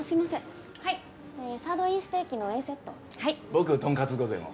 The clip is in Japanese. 僕とんかつ御膳を。